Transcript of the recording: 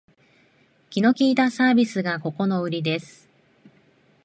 気の利いたサービスがここのウリです